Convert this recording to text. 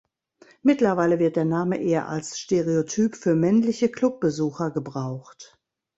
Mittlerweile wird der Name eher als Stereotyp für männliche Club-Besucher gebraucht.